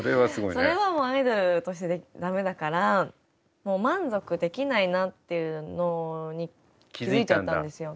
それはアイドルとして駄目だからもう満足できないなっていうのに気付いちゃったんですよ。